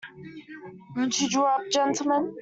Won't you draw up, gentlemen.